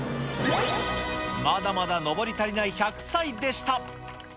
まだまだ登り足りない１００歳でした。